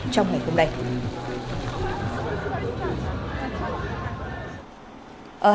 trong ngày hôm nay